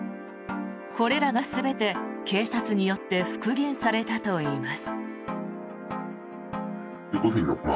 これらが全て警察によって復元されたといいます。